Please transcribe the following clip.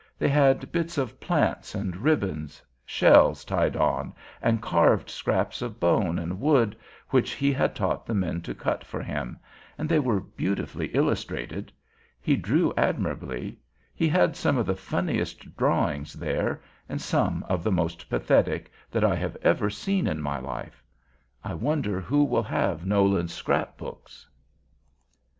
They had bits of plants and ribbons, shells tied on, and carved scraps of bone and wood, which he had taught the men to cut for him, and they were beautifully illustrated. He drew admirably. He had some of the funniest drawings there, and some of the most pathetic, that I have ever seen in my life. I wonder who will have Nolan's scrapbooks.